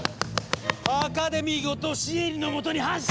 アカデミーごとシエリのもとに発進よ！